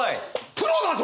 プロだぞ！